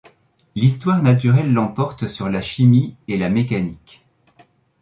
L'histoire naturelle l'emporte sur la chimie et la mécanique.